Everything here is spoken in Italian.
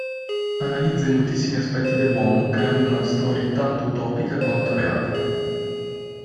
Analizza i moltissimi aspetti dell'uomo creando una storia tanto utopica quanto reale.